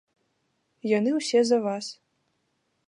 Яны ўсе за вас.